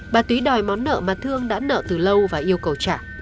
bà túy đòi món nợ mà thương đã nợ từ lâu và yêu cầu trả